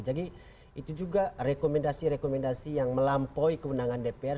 jadi itu juga rekomendasi rekomendasi yang melampaui kewenangan dpr